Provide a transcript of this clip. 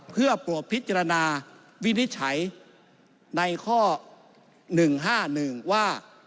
เพื่อโปรดพิจารณาวินิจฉัยในข้อ๑๕๑ว่า